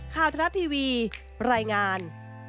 ทรัฐทีวีรายงาน